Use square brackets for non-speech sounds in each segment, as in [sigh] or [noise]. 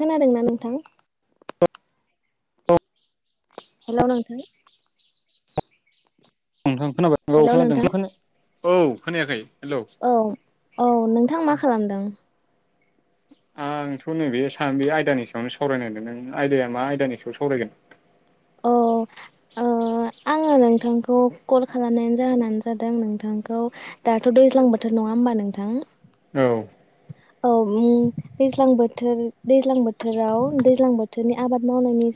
खोनादोंना नोंथां? औ हेल' नोंथां नोंथां खोनाबाय औ हेलौ खोनादों नोंथां खोना [unintelligible] औ खोनायाखै हेलौ औ औ नोंथां मा खालामदों? आंथ' नैबे सा बे आयदानि सायावनो सावरायनो नागिरदों नों आयदाया मा आयदानि सायाव सावरायगोन। औ ओ आङो नोंथांखौ कल खालामनायनि जाहोनानो जादों नोंथांखौ दाथ' दैज्लां बोथोर नङा होमबा नोंथां। औ औ दैज्लां बोथोर दैज्लां बोथोराव दैज्लां बोथोरनि आबाद मावनायनि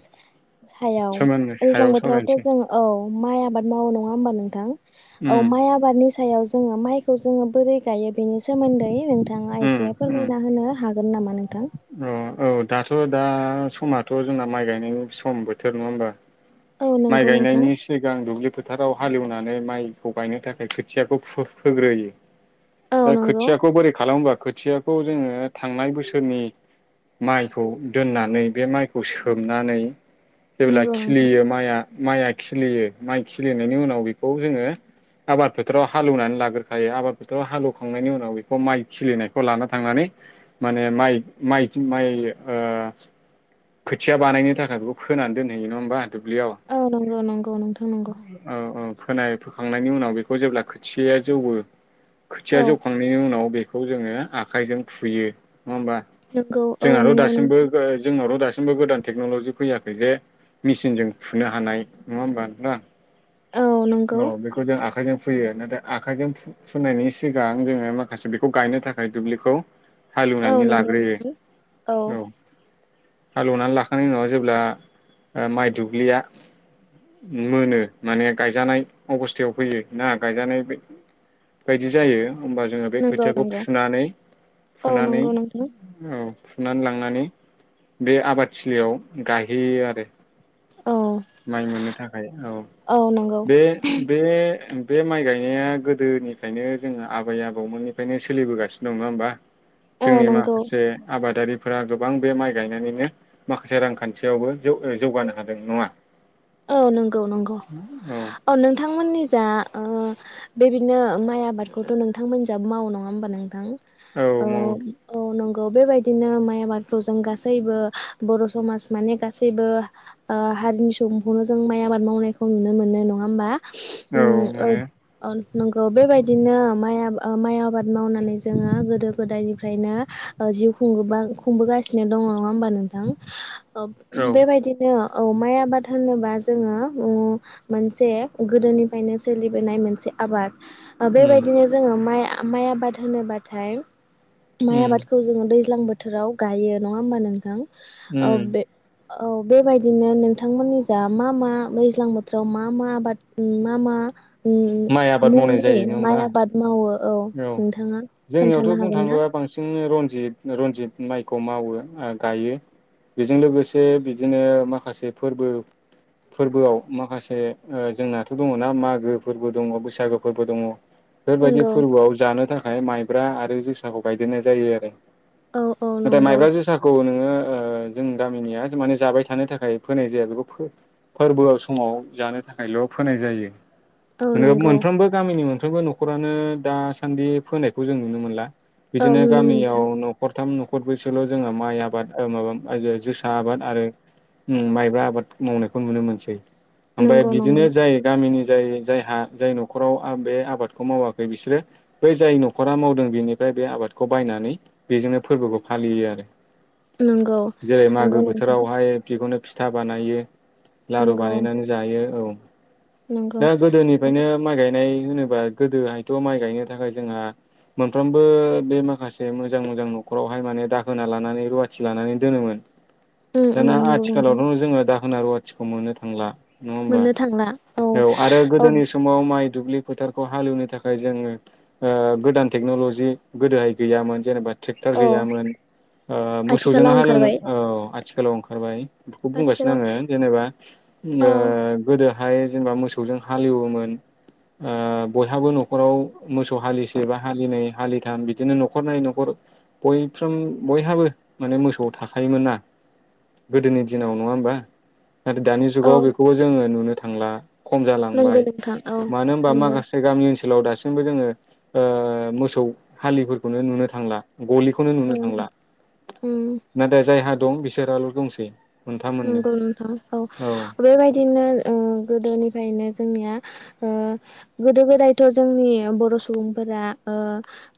सायाव सोमोन्दो दैज्लां सायाव सावरायनोसै बोथोरावथ' जों औ माइ आबाद माव नङा होमबा नोंथां औ उम माइ आबादनि सायाव जोङो माइखौ जोङो बोरै गायो बेनि सोमोन्दै नोंथाङा एसे उम उम फोरमायना होनो हागोन नामा नोंथां? औ औ दाथ' दा समाथ' जोंना माइ गायनाय सम बोथोर नङा होमबा। औ माइ नंगौ नोंथां गायनायनि सिगां दुब्लि फोथाराव हालेवनानै माइखौ गायनो थाखाय खोथियाखौ फु होग्रोयो औ दा नंगौ खोथियाखौ बोरै खालाम खोथियाखौ जोङो थांनाय बोसोरनि माइखौ दोननानै बे माइखौ सोमनानै जेब्ला नंगौ नोंथां खिलियो माइआ माइआ खिलियो माइ खिलिनायनि उनाव बेखौ जोङो आबाद फोथोराव हालौवनानै लाग्रोखायो आबाद फोथोराव हालौवखांनायनि उनाव बेखौ माइ खिलिनायखौ लाना थांनानै माने माइ माइ माइ ओ खोथिया बानायनो थाखाय बेखौ फोनानै दोनहैयो नङा होमबा दुब्लियाव औ नंगौ नंगौ नोंथां नंगौ औ औ फोनाय फोखांनायनि उनाव बेखौ जेब्ला खोथियया जौवबो औ खोथिया जौखांनायनि उनाव बे खौ जोङो आखाइजों फुयो नोंगौ जोंहा थ दासिमबो ओ जों जोंनावथ' दासिमबो गोदान टेक्न'लजि फैयाखै जे मेचनजों फुनो हानाय नङा होमबा नां औ बेखौ जों आखाइजों फुयो नाथाय आखाइजों फुनायनि सिगां जोङो माखासे बेखौ गायनो थाखाय दुब्लिखौ औ हालेवनानै नंगौ लाग्रोयो नोंथां औ हालेवनानै लाखांनायनि उनाव जेब्ला ओ माइ दुब्लिया मोनो माने गायजानाय अबस्थायाव फैयो ना गायजानाय बायदि जायो होमबा जोङो बे नंगौ खोथियाखौ नंगौ फुनानै औ फुनानै नंगौ नोंथां औ फुनानै लांनानै बे आबादथिलियाव गायहैयो आरो औ माइ मोननो थाखाय औ बे बे बे माइ गायनाया गोदोनिफ्रायनो जोंङो आबै आबौमोननिफ्रायनो सोलिबोगासिनो दं नङा होमबा। औ जोंनि नंगौ माखासे आबादारि फोरा गोबां बे माइ गायनानैनो माखासे रांखान्थियावबो जौ जौगानो हादों नङा। औ नंगौ नंगौ औ नोंथांमोननि जा ओ बेबायदिनो माइ आबादखौथ' नोंथांमोनिजाबो मावो नङा होमबा नोंथां? औ मावो गौ बेबायदिनो माइ आबादखौ जों गासैबो बर' समास गासैबो ओ हरिनि सुबुंखौनो जों माइ आबाद मावनायखौ नुनो मोनो नङा होमबा औ उम ओ मोनो अन नंगौ बेबायदिनो माइ आ माइ आबाद मावनानै जोङो गोदो गोदायनिफ्रायनो ओ जिउ खुबा खुंबोगासिनो दङ नङा होमबा नोंथां। औ बेबायदिनो औ माइ आबाद होनोबा जोङो उम मोनसे गोदोनिफ्रायनो सोलिबोनाय मोनसे आबाद ओ उम बेबायदिनो जोङो माइ माइ आबाद होनोबाथाय माइ उम आबादखौ जोङो दै दैज्लां बोथोराव गायो नङा होमबा नोंथां। ओ उम बेे औ बेबायदिनो नोंथांमोननि जा मा मा दैज्लां बोथोराव मा मा आबाद मा मा। माइ उम आबाद मावनाय मुंनि जायो नङा होमबा माइ आबाद मावो औ नोंथाङा खोन्थानो हागोन ना? जित रनजित माइखौ मावो गायो बेजों लोगोसे बिदिनो माखासे फोरबो फोरबोआव माखासे जोंनाथ' दङना मागो फोरबो दङ बैसागो फोरबो दङ। बेफोरबायदि नंगौ फोरबोआव जानो थाखाय। ओमफ्राय माइब्रा आरो जोसाखौ गायदेरनाय जायो आरो। औ औ नाथाय नंगौ माइब्रा जोसाखौ नोङो। जोंनि गामिनिया माने जाबाय थानो थाखाय फोनाय जाया बेखौ फोरबोआव समाव जानो थाखायल' फोनाय जायो। औ नंगौ मोनफ्रोमबो गामिनि मोन मोनफ्रोमबो न'खरानो दासान्दि फोनायखौ जों नुनो मोनला। औ बिदिनो नुनो मोनला गामियाव न'खरथाम नखर भकत बैसल' जोंहा माइ आबाद माबा जोसा आबाद आरो माइब्रा आबाद मावनायखौ नुनो मोनसै। ओमफ्राय नंगौ नंगौ बिदिनो जायो गामिनि जायो। जायहा जाय न'खराव बे आबादखौ मावाखै बिसोरो बै जाय न'खरा मावदों बेनिफ्राय बे आबादखौ बायनानै बेजोंनो फोरबोखौ फालियो आरो। नंगौ जेरै मागो नंगौ नोंथां बोथोरावहाय पकनिक फिथा बानायो लारु नंगौ बानायनानै जायो औ। नंगौ। दा गोदोनिफ्रायनो माइ गायनाय होनोबा गोदोहायथ' माइ गायनो थाखाय जोंहा मोनफ्रोमबो बे माखासे मोजां मोजां न'खरावहाय माने दाखोना लानानै रुवाथि लानानै दोनोमोन। उम उम दाना नंगौ नोंथां आथिखालावथ' जोङो दा होना रुवाथिखौ मोननो थांला। नङा होमबा मोननो थांला औ आरो औ गोदोनि समाव माइ दुब्लि फोथारखौ हालेवनो थाखाय जोङो गोदान टेक्न'ल'जि गोदोहाय गैयामोन जेनेबा। ट्रेक्टार औ गैयामोन मोसौजोंनो आथिखालाव हालेवनो ओंखारबाय आथिखालाव ओंखारबाय बेखौ बुंगासिनो आथिखालाव आङो जेनेबा, औ अ गोदो हाय जेनबा मोसौ मोसौजों हालेवोमोन बयहाबो न'खराव मोसौ हालिसे बा हालिनायै हालिथाम, बिदिनो न'खरनै न'खर बयफ्रोम बयहाबो माने मोसौ थाखायोमोन ना गोदोनि दिनाव, नङाहोमबा? नाथाय दानि औ जुगाव बेखौबो जोङो नुनो था थांला। खम नंगौ जालांबाय नोंथां औ मानो होनबा नंगौ माखासे गामि ओनसोल ओथिनसोलाव दासिमबो जोङो मोसौ हालिफोरखौनो नुनो थांला गलिखौनो नुनो औ थांला उम नाथाय जायहा दं बिसोराल' दंसै। मोनथाम मोननै नंगौ नोंथां औ बेबायदिनो ओ गोदोनि‌। फायनो जोंनिया ओ गोदो गोदायथ' जोंनि बर' सुबुंफोरा ओ।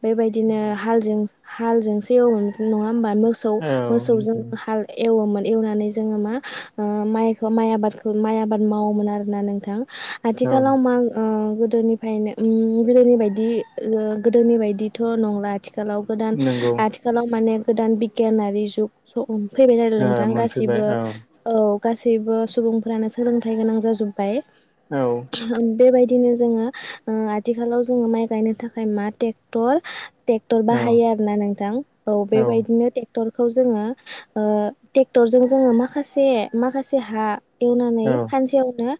बेबायदिनो हालजों। हालजोंसो एव [unintelligible] नङा। होमबा मोसौ औ मोसौजों हाल एवोमोन। एवनानै जोङो मा ओह माइखौ माइ आबादखौ माइ आबाद मावोमोन आरोना नोंथां। औ आथिखालाव मां ओ। गोदोनिफ्रायनो उम गोदोनि बायदि ओह गोदोनि बायदिथ' नंला। थिखालाव गोदान नंगौ आथिखालाव माने। गोदान बिगियानारि जुग स फैबाय नालाय ओ नोंथां गासि मोनफैबाय जेबो औ औ। गासैबो सुबुंफोरानो सोलोंथाइ गोनां जाजुब बाय औ बेबायदि दिनो जोङो ओ आथिखालाव जोङो माइ गायनो थाखाय मा टेक्टर। टेक्टर औ बाहायो आरो ना नोंथां औ बेबायदिनो टेक्टर। खौ जोङो ओह तेक तरजों जोङो माखासे माखासे हा। एवनानै खानसेयावनो।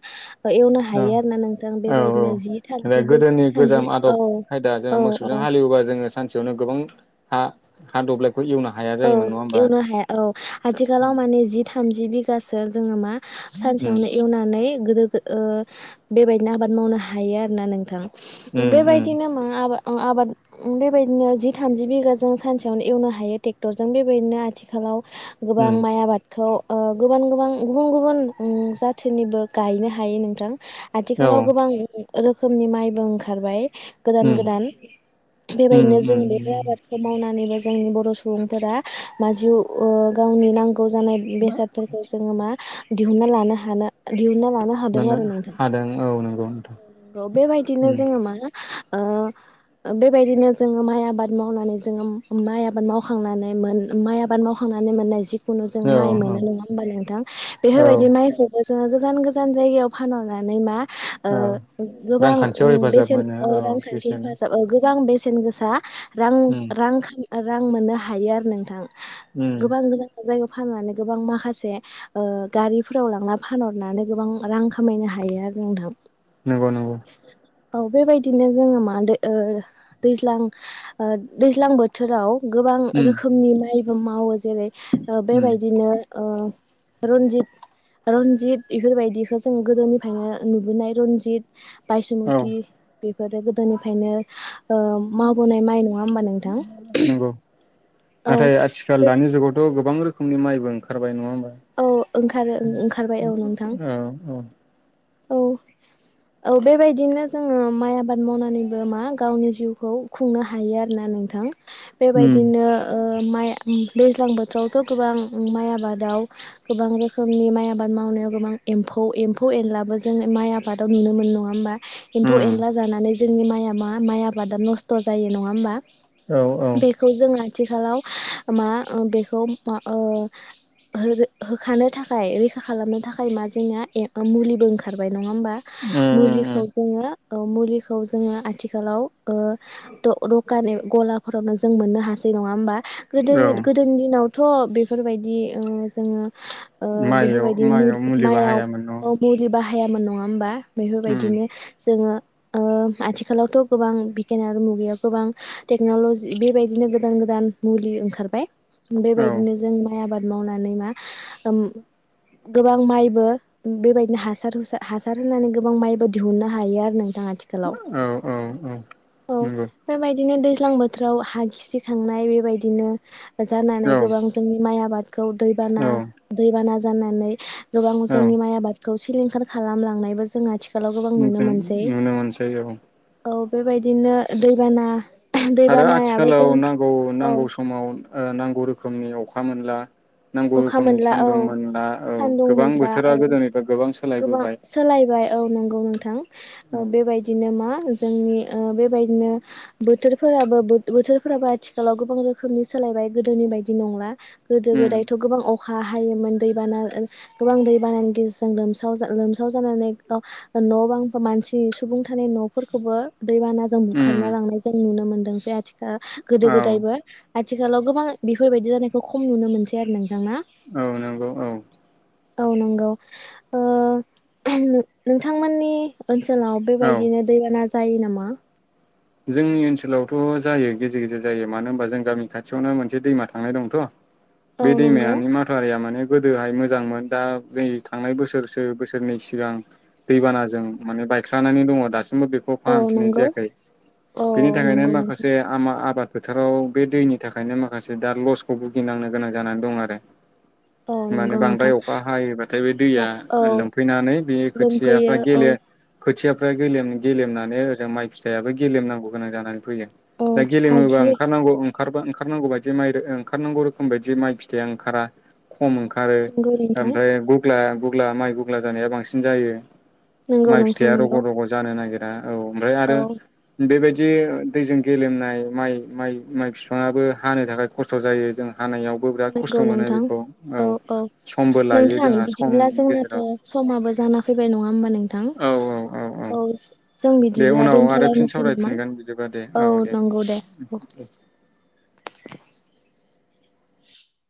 एवनो औ हायो आरोना नोंथां औ औ बेबायदिनो जि बे थामजिबो गोदोनि गोजाम थामजि आदब औ खायदा जोंङो औ मोसौजों औ हालेवबा जोङो सानसेयावनो गोबां। हा हा दब्लाय। औ एवनो हाया औ आथिखालाव उम माने जित थामजि बिगासो जोङो मा। सानसेयावनो एवनानै गोदो। ओ बेबायदिनो आबाद मावनो हायो आरोना नोंथां। उम उम बेबायदिनो मा आबा अ आबाद उम बेबायदिनो जि थामजि बिगाजों सानसेयावनो एवनो हायो टेक तरजों बेबायदिनो आथिखालाव। गोबां उम माइ आबाद खौ ओह गोबां गोबां गुबुन गुबुन ओम जाथिनिबो गायनो हायो नोंथां। औ आथिखालाव गोबां [unintelligible] रोखोमनि माइबो ओंखारबाय गोदान उम गोदान उम बेबायदिनो जों उम बेफोर आबादखौ मावनानैबो जोंनि बर' सु बुंफोरा माजिव ओ गावनि नांगौ गौ जानाय बेसादफोरखौ जोङो मा दिहुनना लानो हानो दिहुनना ला नो हादों आरो नोंथां हादों नंगौ नोंथां औ नंगौ बेबायदिनो उम जोङो मा ओ बेबायदिनो जोङो माइ आबाद मावनानै जोङो माइ आबाद माव मावखां नानै मोन माइ आबाद मावखनानै मोननाय जि खुनु जों औ माइ मोनो नङा होमबा नोंथां? औ बेफोरबायदि माइखौबो जोंङो गोजान गोजान जायगायाव फानहरनानै मा ओ‌ औ गोबां रांखान्थियाव हेफाजाब बेसेन मोनो औ रांखान्थि बेसोनो हेफाजाब गोबां बेसेन गोसा रां उम रां ख रां मोनो हायो आरो नोंथां। उम गोबां गोजान जायगा फाननानै गोबां माखासे ओ गारिफोराव लांना फानहरनानै गोबां रां खामायनो हायो आरो जों नोंथां नंगौ नंगौ औ बेबायदिनो जोङो मा होनदो ओ दैज्लांओ दैज्लां बोथोराव गोबां उम रोखोमनि माइ मावो जेरै ओ उम बेबायदिनो ओ रनजित रनजित बेफोरबायदिखौ जों गोदोनिफ्रायनो नुबोनाय रनजित औ बायसुमत बे बेफोरो गोदोनिफ्रायनो ओ मावबोनाय माइ नङा होमबा नोंथां? नंगौ औ नाथाय आथिखाल दानि जुगावथ' गोबां रोखनि माइबो ओंखारबाय नङा होमबा? औ ओंखारो ओंखारबाय औ नोंथां औ औ औ औ बेबायदिनो जोङो माइ आबाद मावनानैबो मा गावनि जिउखौ खुंनो हायो आरोना नोंथां उम बेबायदिनो ओ- माइ दैज्लां बोथोरावथ' गोबां माइ आबादाव गोबां रोखोमनि माइ आबाद मावनायाव गोबां एम्फौ -एम्फौ एनला जोङो माइ आबादाव नुनो मोन नङा होनोमबा? उम एम्फौ-एनला जानानै- जोंनि माइया मा माइ आबादाब नस्थ' जायो नङा होमबा औ औ उम बेखौ जोङो थिखालाव मा ओ बेखौ मा ओ हो होखानो थाखाय रैखा खालामनो थाखाय मा जोंना ए ओ मुलिबो ओंख खारबाय नङा होमबा उम उम मुलिखौ जोङो औ मुलिखौ जोङो आथिखालाव ओ द-दखानि गलाफोरावनो जों मोननो हासै नङा होमबा औ गोदोनि गोदोनि दिनाव थ बेफोरबायदि ओ जोङो ओ माइयाव बेफोरबायदि माइयाव मुरि मुलि माइयाव बाहायामोन न औ मुलि बा हायामोन नङा होमबा उम बेफोरबायदिनो जोङो ओ आथिखालावथ गोबां बिगियानारि मुगायाव गोबां टेक्नलजि बेबायदिनो गोदान गोदान मुलि ओंखारबाय औ बेबायदिनो जों माइ आबाद मावनानै मा ओम गोबां माइबो ओ बेबायदिनो हास सार हुसा हासार होनानै गोबां माइबो दिहुननो हायो आरो नों आथिखालाव औ औ औ औ नंगौ बेबायदिनो दै लां बोथोराव हा खिसिखांनाय बेबायदिनो जानानै औ गोबां जोंनि माइ आबाद खौ दैबाना औ दैबाना जाननानै गोबां औ जोंनि माइ आबाद खौसो सिलिंखार खालामलांनायबो जों आथिख नों जों नुनो मोनसै औ औ बेबायदिनो दैबाना आरो दैबानायाबो जों आथिखालाव नांगौ औ नांगौ समाव ओ नांगौ रोखोमनि अख अखा मोनला नांगौ अखा रोखोमनि मोनला औ सान्दुं मोनब्ला औ सान्दुं गोबां मोनला बोथोरा औ गोदोनिफ्राय गोबां गोबां सोलायबोबाय सोलायबाय औ नंगौ नोंथां औ बेबायदिनो मा जोंनि ओ बेबायदिनो बोथोरफोराबो बो बोथोरफोराबो आथिखालाव गोबां रोखोमनि सोलायबाय गोदोनि बायदि नंला गोदो उम गोदाय अखा हायोमोन दैबाना ओ गोबां दैबानानि गेजेरजों लोमसाव जा लोमसाव जानानै गाव न बां मानसि सुबुं थानाय नफोरखौबो दैबानाजों उम बुखारना लांनाय जों नुनो मोनदोंसै आथिख गोदो औ गोदायबो आथि आथिखालाव गोबां बेफोरबायदि जानायखौ खम नुनो मोनसै आरो नोंथांना औ नंगौ औ औ नंगौ ओ नोंथांमोननि ओनसोलाव औ बेबायदिनो दैबाना जायो नामा जोंनि ओनसोलावथ' जायो गेजेर गेजेर जायो मानो होनबा जों गामि खाथियावनो मोनसे दैमा थांनाय दंथ' औ बे नंगौ दैमानि माथआरिया माने गोदोहाय मोजांमोन दा जै थांनाय बोसोरसो बोसोरनै सिगां दैबानाजों माने बायस्लानानै दङ दासिम बो बेखौ औ फाहामफिननाय नंगौ जायाखै औ बेनि थाखायनो नंगौ नोंथां माखासे आमा आबाद फोथाराव बे दैनि थाखायनो माखासे दा लसखौ भुगिनांनो गोनां जानानै दं आरो औ माने नंगौ बांद्राय नोंथां अखा हायोबाथाय बे दैया औ लोमफैनानै बे लोमफैयो खोथियाफ्रा औ गेले खोथिया गेलेमनानै ओजों माइ फिथ फिथायाबो गेलेमनांगौ गोनां जानानै फैयो औ दा गेलेमोबा हागि ओंखारनांगौ ओंखारबा ओ ओंखारनांगौ बायदि माइ ओंखारनांगौ रोखोम बायदि माइ फिथाइया ओंखारा खम ओंखारो नंगौ नोंथां ओमफ्राय गुग्ला गुगब्ला माइ गग्ला जानाया बांसिन जायो नंगौ माइ नोंथां फिथाइया नंगौ रग' रग' जानो नागिर औ ओमफ्राय औ आरो बेबायदि दैजों गेलेमनाय माइ माइ माइ बिफाङाबो हानो थाखाय खस्थ' जायो जोंहा नंगौ नोंथां औ औ समबो लायो नोंथां जोंहा बिदिब्ला समनि जोंनाथ' गेजेराव समाबो जाना फैबाय नङा होमबा नोंथां औ औ औ औ औ जों दे बिदिब्ला उनाव आरो फिन दोनथ'लायनोसै नामा सावरायफिनगोन बिदिबा दे औ दे